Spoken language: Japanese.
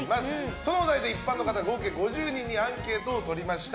そのお題で一般の方、合計５０人にアンケートを取りました。